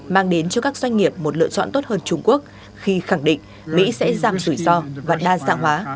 mang đến cho các doanh nghiệp một lựa chọn tốt hơn trung quốc khi khẳng định mỹ sẽ giảm rủi ro và đa dạng hóa